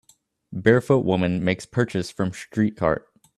Barefoot woman makes purchase from street cart